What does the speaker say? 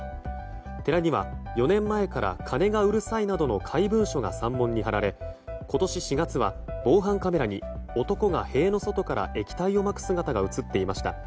寺には、４年前から鐘がうるさいなどの怪文書が山門に貼られ今年４月は防犯カメラに男が塀の外から液体をまく姿が映っていました。